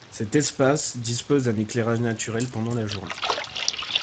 Cet espace dispose d'un éclairage naturel pendant la journée.